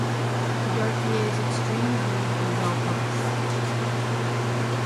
Darquier's extreme views were well-publicized.